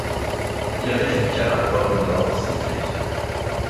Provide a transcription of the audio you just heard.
Il avait une canne à pomme d’or ciselé.